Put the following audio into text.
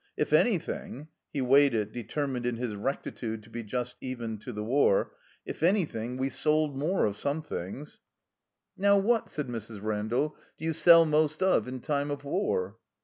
If anything" — ^he weighed it, deter mined, in his rectitude, to be just even to the war — if anything we sold more of some things.'* "Now what," said Mrs. Randall, "do you sell most of in time of war?"